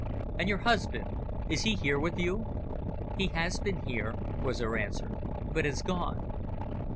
"And your husband, is he here with you?" "He has been here," was her answer, "but has gone."